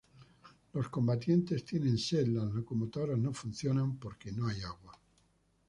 Los combatientes tienen sed, las locomotoras no funcionan porque no hay agua.